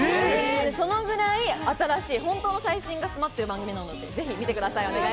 そのくらい新しい、最新が詰まっている番組なので、ぜひ見てください。